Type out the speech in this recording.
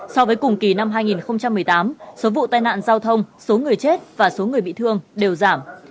so với cùng kỳ năm hai nghìn một mươi tám số vụ tai nạn giao thông số người chết và số người bị thương đều giảm